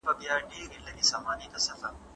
منفي فکرونه له منځه یوسئ.